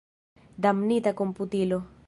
Damnita komputilo!